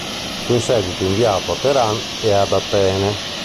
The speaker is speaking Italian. Fu in seguito inviato a Teheran e ad Atene.